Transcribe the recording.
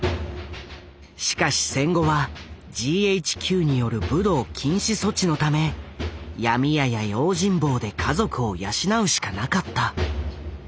しかし戦後はＧＨＱによる武道禁止措置のため闇屋や用心棒で家族を養うしかなかった。